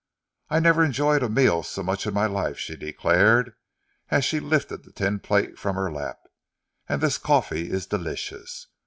"I never enjoyed a meal so much in my life," she declared, as she lifted the tin plate from her lap. "And this coffee is delicious.